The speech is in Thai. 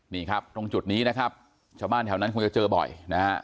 นี่ครับตรงจุดนี้นะครับชาวบ้านแถวนั้นคงจะเจอบ่อยนะฮะ